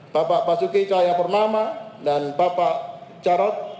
bapak basuki cahaya purnama dan bapak carot